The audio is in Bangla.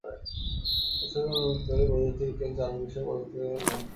প্রস্তাবটি অনুমোদন পেলে বৈদ্যুতিক ট্রেন চালুর বিষয়ে পরবর্তী পদক্ষেপ গ্রহণ করা হবে।